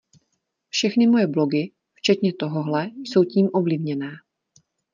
Všechny moje blogy, včetně tohohle, jsou tím ovlivněné.